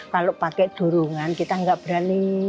kalau pake durungan kita nggak berani